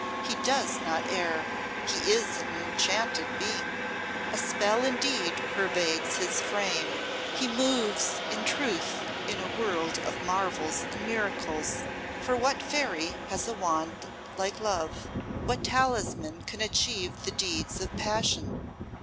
He does not err. He is an enchanted being; a spell indeed pervades his frame; he moves in truth in a world of marvels and miracles. For what fairy has a wand like love, what talisman can achieve the deeds of passion?